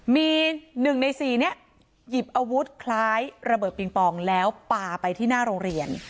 มี๑ใน๔นี้หยิบอาวุธคล้ายระเบิดปิงปองแล้วปลาไปที่หน้าโรงเรียน